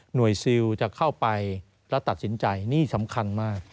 หน่วยซิลจะเข้าไปและตัดสินใจนี่สำคัญมาก